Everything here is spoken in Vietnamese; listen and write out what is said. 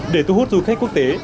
để thu hút du khách quốc tế